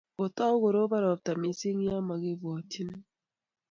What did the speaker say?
Kotou koropon ropta missing' ye kimagepwotchini.